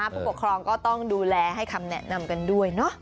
ผู้ปกครองก็ต้องดูแลให้คำแนะนำกันด้วย